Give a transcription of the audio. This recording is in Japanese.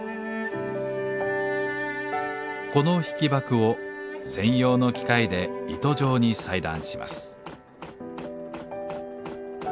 この引箔を専用の機械で糸状に裁断します。